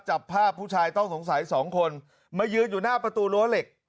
จับภาพผู้ชายต้องสงสัยสองคนมายืนอยู่หน้าประตูรั้วเหล็ก